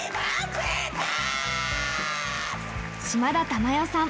島田珠代さん。